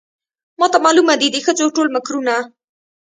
ماته معلومه دي د ښځو ټول مکرونه